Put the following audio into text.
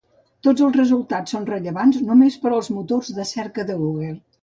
Tots els resultats són rellevant només per als motors de cerca de Google.